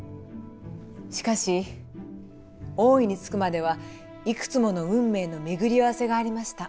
しかし王位に就くまではいくつもの運命の巡り合わせがありました。